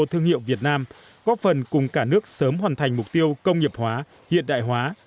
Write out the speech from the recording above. thương hiệu việt nam góp phần cùng cả nước sớm hoàn thành mục tiêu công nghiệp hóa hiện đại hóa